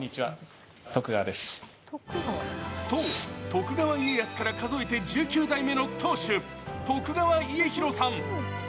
そう、徳川家康から数えて１９代目の当主、徳川家広さん。